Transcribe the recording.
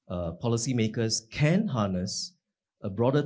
pengelola kebijakan dapat menggabungkan